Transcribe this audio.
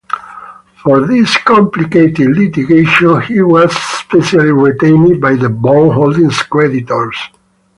For this complicated litigation he was specially retained by the bond-holding creditors.